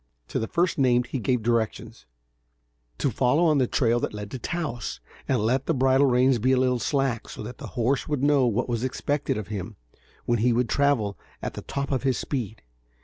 To the first named he gave directions "to follow on the trail that led to Taos, and let the bridle reins be a little slack, so that the horse would know what was expected of him, when he would travel at the top of his speed.